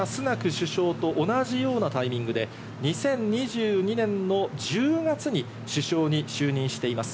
首相と同じようなタイミングで２０２２年の１０月に首相に就任しています。